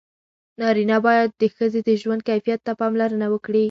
نارینه باید د ښځې د ژوند کیفیت ته پاملرنه وکړي.